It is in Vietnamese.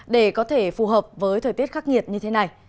để có thể phù hợp với thời tiết khắc nghiệt như thế này